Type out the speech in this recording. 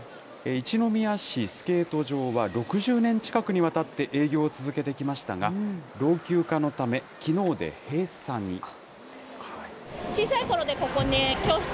一宮市スケート場は、６０年近くにわたって営業を続けてきましたが、老朽化のため、きのうで閉鎖に。